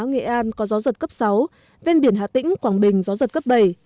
nghệ an có gió giật cấp sáu ven biển hà tĩnh quảng bình gió giật cấp bảy